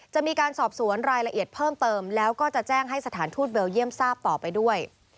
จะมีการสอบสวนรายละเอียดเพิ่มเติมแล้วก็จะแจ้งให้สถานทูตเบลเยี่ยมทราบต่อไปด้วย